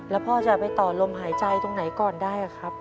แล้วพ่อจะไปต่อลมหายใจตรงไหนก่อนได้ครับ